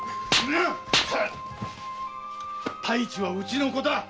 太一はうちの子だ。